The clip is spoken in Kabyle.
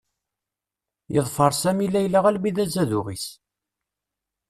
Yeḍfer Sami Layla almi d azaduɣ-is.